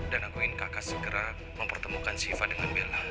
dan aku ingin kakak segera mempertemukan siva dengan bella